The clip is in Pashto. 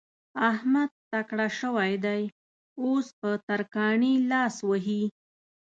احمد تکړه شوی دی؛ اوس په ترکاڼي لاس وهي.